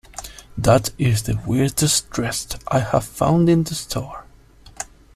That is the weirdest dress I have found in this store.